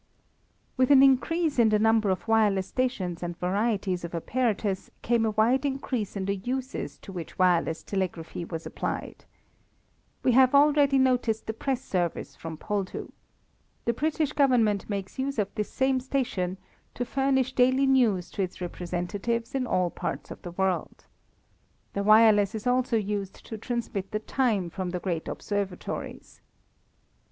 With an increase in the number of wireless stations and varieties of apparatus came a wide increase in the uses to which wireless telegraphy was applied. We have already noticed the press service from Poldhu. The British Government makes use of this same station to furnish daily news to its representatives in all parts of the world. The wireless is also used to transmit the time from the great observatories.